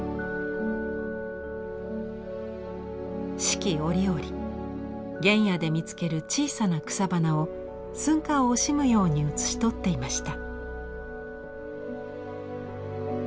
四季折々原野で見つける小さな草花を寸暇を惜しむように写し取っていました。